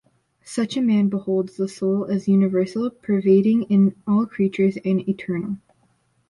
Such a man "beholds the soul as universal, pervading in all creatures, and eternal".